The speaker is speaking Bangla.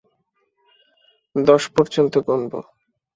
দশ পর্যন্ত গুণবো।